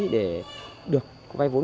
để được vay vốn một trăm hai mươi